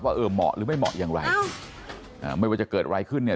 เออเหมาะหรือไม่เหมาะอย่างไรอ่าไม่ว่าจะเกิดอะไรขึ้นเนี่ย